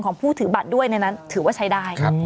ผู้ถือบัตรด้วยในนั้นถือว่าใช้ได้